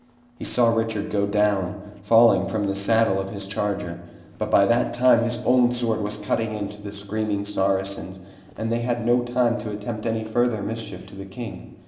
He saw Richard go down, falling from the saddle of his charger, but by that time his own sword was cutting into the screaming Saracens and they had no time to attempt any further mischief to the King.